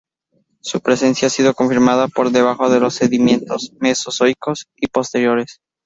Su presencia ha sido confirmada por debajo de los sedimentos mesozoicos y posteriores.